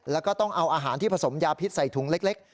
แล้วก็ต้องเอาอาหารที่ผสมยาพิษใส่ถุงเล็ก